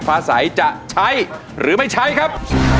ฟ้าใสจะใช้หรือไม่ใช้ครับ